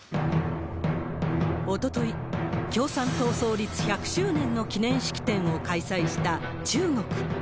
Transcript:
おととい、共産党創立１００周年の記念式典を開催した中国。